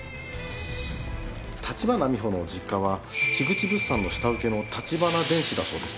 立花美穂の実家は口物産の下請けの立花電子だそうですね。